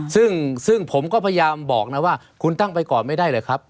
ซึ่งผมก็พยายามบอกนะว่าคุณตั้งไปก่อนไม่ได้หรือครับ